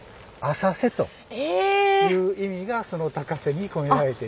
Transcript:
更にそれがという意味がその高瀬に込められていると。